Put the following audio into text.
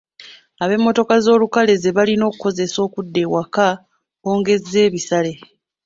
Ab’emmotoka z’olukale ze balina okukozesa okudda ewaka bongezza ebisale.